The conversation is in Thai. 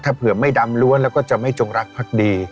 ถ้าเผื่อไม่ดำล้วนแล้วก็จะไม่จงรักพักดี